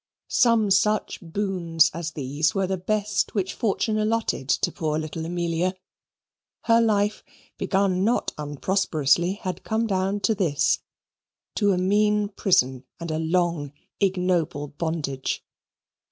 Some such boons as these were the best which Fortune allotted to poor little Amelia. Her life, begun not unprosperously, had come down to this to a mean prison and a long, ignoble bondage.